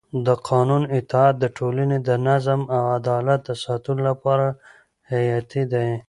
د قانون اطاعت د ټولنې د نظم او عدالت د ساتلو لپاره حیاتي دی